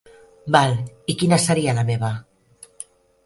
Val, i quina seria la meva?